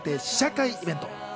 試写会イベント。